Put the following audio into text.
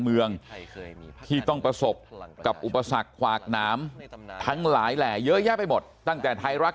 เมืองที่ต้องประสบกับอุปสรรคขวากหนามทั้งหลายแหล่เยอะแยะไปหมดตั้งแต่ไทยรัก